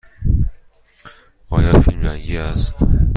آیا فیلم رنگی است؟